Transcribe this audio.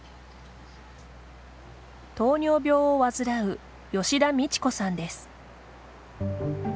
糖尿病を患う吉田実千子さんです。